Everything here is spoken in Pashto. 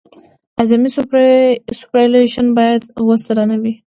اعظمي سوپرایلیویشن باید اوه سلنه وي